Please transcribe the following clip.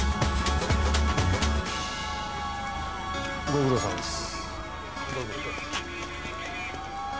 ご苦労さまです。